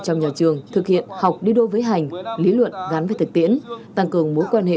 trong nhà trường thực hiện học đi đôi với hành lý luận gắn với thực tiễn tăng cường mối quan hệ